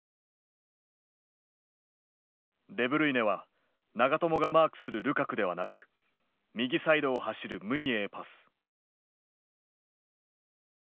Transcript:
デブルイネは長友がマークするルカクではなく右サイドを走るムニエへパス。